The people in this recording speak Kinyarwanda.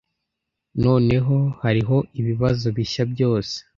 Noneho hariho ibibazo bishya byose.